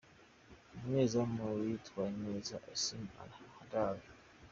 Umunyezamu witwaye neza : Issam El Hadary .